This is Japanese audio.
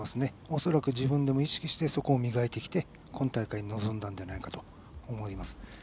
恐らく自分でも意識してそこを磨いてきて今大会に臨んだのかと思います。